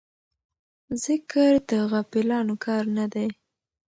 ذکر د غافلانو کار نه دی.